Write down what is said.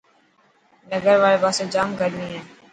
ننگر واڙي پاسي ڄام گرمي هي.